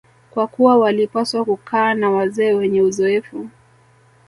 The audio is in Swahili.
kwa kuwa walipaswa kukaa na wazee wenye uzoefu